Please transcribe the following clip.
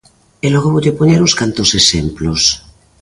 E logo voulle poñer uns cantos exemplos.